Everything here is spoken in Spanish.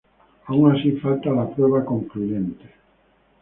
Aun así falta la prueba concluyente.